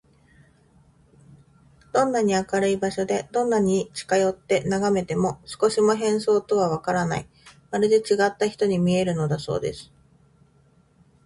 どんなに明るい場所で、どんなに近よってながめても、少しも変装とはわからない、まるでちがった人に見えるのだそうです。